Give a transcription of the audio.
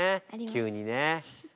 急にね。